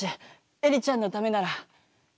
エリちゃんのためなら。